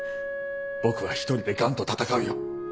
僕は一人で癌と闘うよ。